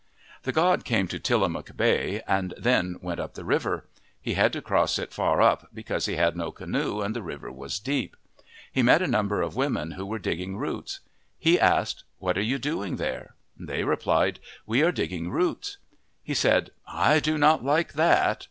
The god came to Tillamook Bay and then went up the river. He had to cross it far up because he had no canoe and the river was deep. He met a number of women who were digging roots. He asked, " What are you doing there ?': They replied, " We are digging roots." He said, " I do not like that."